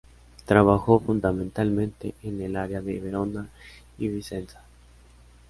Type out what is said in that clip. Trabajó fundamentalmente en el área de Verona y Vicenza.